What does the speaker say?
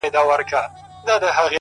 شپه په خندا ده” سهار حیران دی”